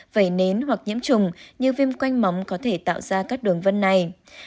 vẩy nến hoặc nhiễm trùng như viêm quanh móng có thể tạo ra các đường vân này